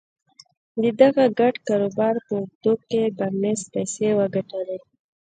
د دغه ګډ کاروبار په اوږدو کې بارنس پيسې وګټلې.